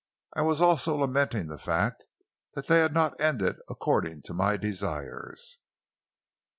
"I was also lamenting the fact that they had not ended according to my desires."